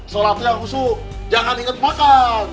sholatnya husu jangan inget makan